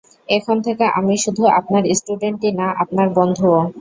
এখন থেকে আমি শুধু আপনার স্টুডেন্টই না আপনার বন্ধুও।